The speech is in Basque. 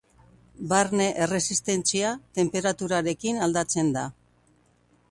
Barne erresistentzia tenperaturarekin aldatzen da.